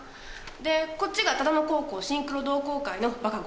でこっちが唯野高校シンクロ同好会のバカ５人組。